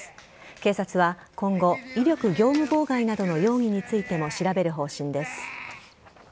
警察は今後威力業務妨害などの容疑についても調べる方針です。